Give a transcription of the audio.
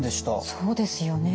そうですよね。